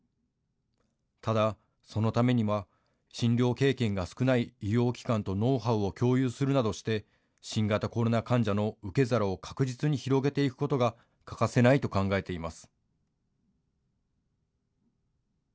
ただ、そのためには診療経験が少ない医療機関とノウハウを共有するなどして新型コロナ患者の受け皿を確実に広げていくことが欠かせないと考えています。